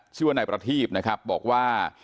ชื่อว่านายประทีบนะครับบอกว่า